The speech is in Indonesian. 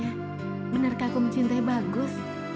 ya benarkah aku mencintai bagus